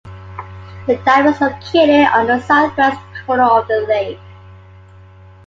The dam is located on the southwest corner of the lake.